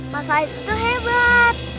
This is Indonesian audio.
mas said itu hebat